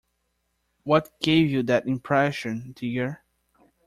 What gave you that impression, dear?